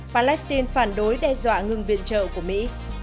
palestine phản đối đe dọa ngừng viện trợ của mỹ